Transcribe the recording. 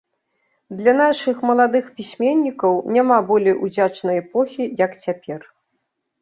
Для нашых маладых пісьменнікаў няма болей удзячнай эпохі, як цяпер.